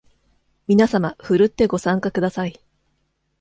みなさまふるってご参加ください